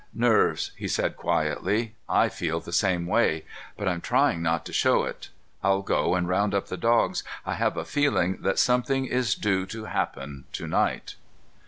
"Nerves," he said quietly. "I feel the same way, but I'm trying not to show it. I'll go and round up the dogs. I have a feeling that something is due to happen to night."